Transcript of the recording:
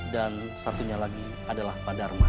dan satunya lagi adalah pak darman